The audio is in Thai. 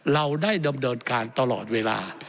เราได้ดำเนินการตลอดเวลา